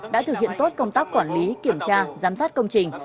đã thực hiện tốt công tác quản lý kiểm tra giám sát công trình